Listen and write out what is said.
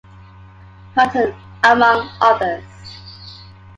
Hutton, among others.